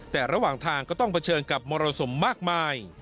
แต่ระหว่างทางก็ต้องเผชิญกับมรสุมมากมาย